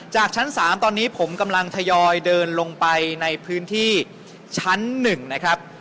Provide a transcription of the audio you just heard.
ชั้น๓ตอนนี้ผมกำลังทยอยเดินลงไปในพื้นที่ชั้น๑นะครับ